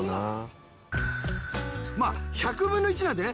まあ１００分の１なんでね